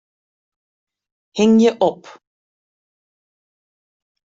Hingje op.